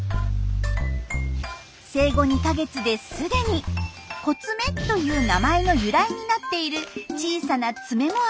生後２か月ですでに「コツメ」という名前の由来になっている小さな爪もありますね。